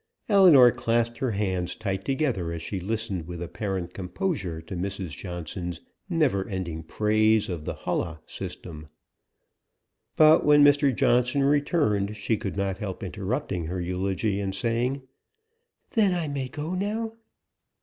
Ellinor clasped her hands tight together as she listened with apparent composure to Mrs Johnson's never ending praise of the Hullah system. But when Mr. Johnson returned, she could not help interrupting her eulogy, and saying "Then I may go now?"